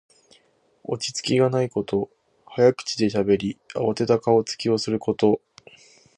落ち着きがないこと。早口でしゃべり、あわてた顔つきをすること。